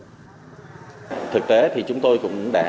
thực tế thì chúng tôi cũng đã